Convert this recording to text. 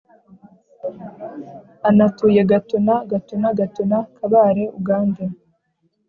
anatuye Gatuna GatunaGatuna Kabare Uganda